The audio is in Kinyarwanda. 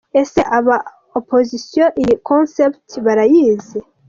Ese aba opposition iyi concept barayizi ?